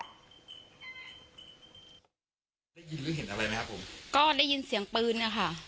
ได้ยินหรือเห็นอะไรไหมครับผมก็ได้ยินเสียงปืนนะคะ